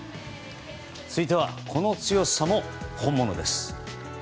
続いてはこの強さも本物です。